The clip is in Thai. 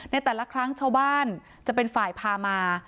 ในแต่ละครั้งชาวบ้านจะเป็นฝ่ายพามา